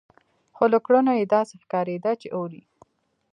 خو له کړنو يې داسې ښکارېده چې اوري.